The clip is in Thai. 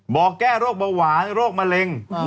บอกแก้โรคเบาหวานโรคมะเร็ง